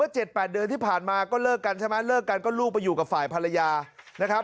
เจ็ดแปดเดือนที่ผ่านมาก็เลิกกันใช่ไหมเลิกกันก็ลูกไปอยู่กับฝ่ายภรรยานะครับ